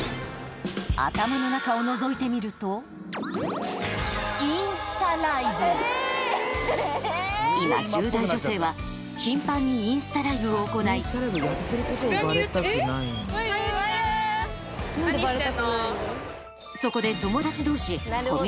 頭の中をのぞいてみると今１０代女性は頻繁にインスタライブを行い渋谷にいるって！